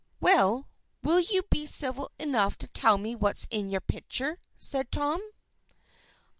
"Well, will you be civil enough to tell me what's in your pitcher?" said Tom.